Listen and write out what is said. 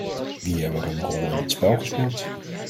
Wie hebben er een rol in dit spel gespeeld?